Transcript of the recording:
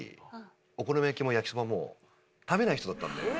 お好み焼きも焼きそばも食べない人だったんで。